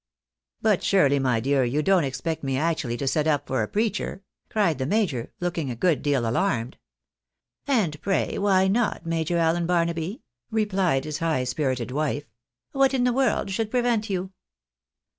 " But surely, my dear, you don't expect me actually to set up for a preacher ?" cried the major, looking a good deal alarmed. " And pray, why not. Major Allen Barnaby ?" replied his high spirited wife ;" what in the world should prevent you?